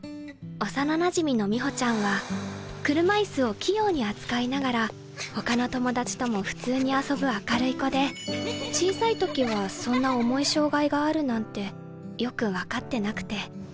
幼なじみの美穂ちゃんは車椅子を器用に扱いながら他の友達とも普通に遊ぶ明るい子で小さい時はそんな重い障害があるなんてよく分かってなくて。